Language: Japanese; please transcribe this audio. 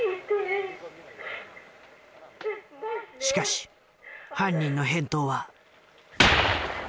しかし犯人の返答は。